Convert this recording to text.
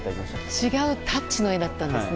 違うタッチの絵だったんですね。